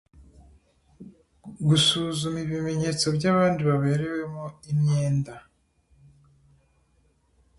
gusuzuma ibimenyetso by’abandi baberewemo imyenda